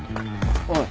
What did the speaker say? おい。